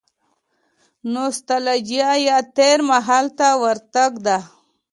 نو ستالجیا یا تېر مهال ته ورتګ ده.